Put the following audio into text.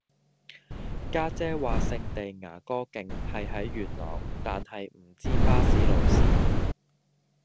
家姐話聖地牙哥徑係喺元朗但係唔知巴士路線